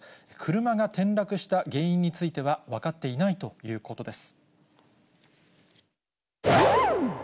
車が転落した原因については分かっていないということです。